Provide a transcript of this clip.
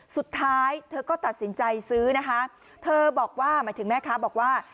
สุดท้ายเธอก็ตัดสินใจซื้อนะคะเธอบอกว่าหมายถึงแม่ค้าบอกว่า